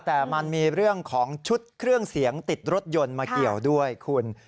แต่มันมีเรื่องของชุดเครื่องเสียงติดรถยนต์มาเกี่ยวด้วยคุณ